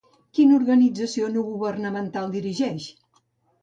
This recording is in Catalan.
Quina organització no governamental dirigeix?